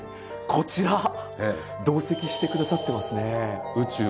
こちら同席してくださってますね。